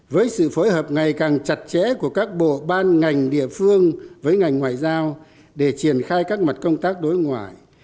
với sự phối hợp ngày càng chặt chẽ của các bộ ban ngành địa phương với ngành ngoại giao để triển khai các mặt công tác đối ngoại